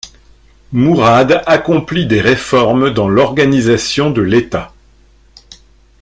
Mourad accomplit des réformes dans l’organisation de l’État.